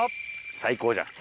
最高じゃん。